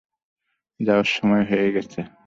যাওয়ার সময় হয়ে গেছে।